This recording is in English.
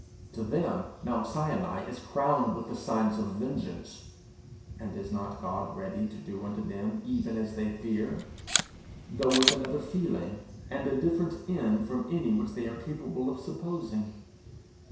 To them Mount Sinai is crowned with the signs of vengeance. And is not God ready to do unto them even as they fear, though with another feeling and a different end from any which they are capable of supposing?